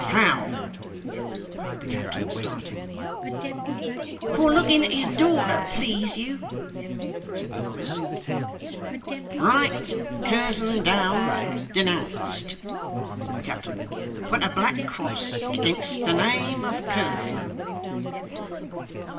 'How!' cried the captain, starting. 'For looking at his daughter, please you,' said the novice. 'Write Curzon down, Denounced,' said the captain. 'Put a black cross against the name of Curzon.